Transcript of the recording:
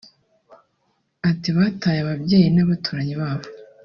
Ati"Bataye ababyeyi n’abaturanyi babo